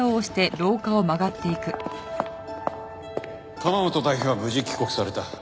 釜本代表は無事帰国された。